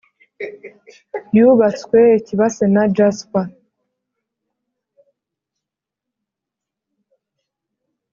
yubatswe ikibase na jasper,